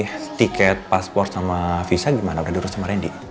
oh iya sayang mengenai tiket pasport sama visa gimana udah diurus sama randy